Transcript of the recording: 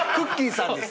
さんです。